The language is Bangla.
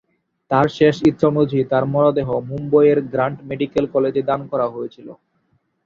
তার শেষ ইচ্ছা অনুযায়ী তার মরদেহ মুম্বইয়ের গ্রান্ট মেডিকেল কলেজে দান করা হয়েছিল।